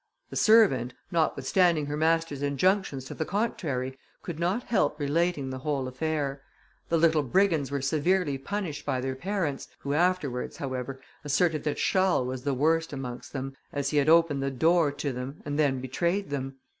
The servant, notwithstanding her master's injunctions to the contrary, could not help relating the whole affair. The little brigands were severely punished by their parents, who, afterwards, however, asserted that Charles was the worst amongst them, as he had opened the door to them, and then betrayed them.